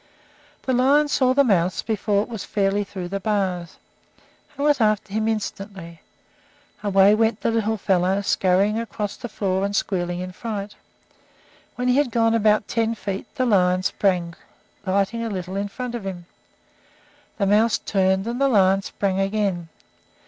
The lion saw the mouse before it was fairly through the bars, and was after him instantly. Away went the little fellow, scurrying across the floor and squealing in fright. When he had gone about ten feet, the lion sprang, lighting a little in front of him. The mouse turned, and the lion sprang again.